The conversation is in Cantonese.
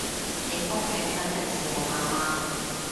影風景等人羨慕下嘛